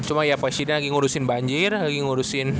cuma presiden lagi ngurusin banjir lagi ngurusin